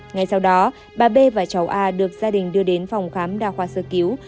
ngay sau đó bà b và cháu a được gia đình đưa đến phòng khám đa khoa sơ cứu